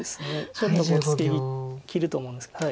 ちょっとツケ切ると思うんですけど。